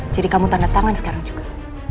jadi kamu tanda tangan sekarang juga